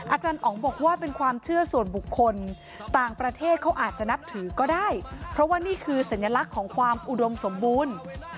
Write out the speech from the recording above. อาจารย์อ๋องบอกว่าเป็นความเชื่อส่วนบุคคลต่างประเทศเขาอาจจะนับถือก็ได้เพราะว่านี่คือสัญลักษณ์ของความอุดมสมบูรณ์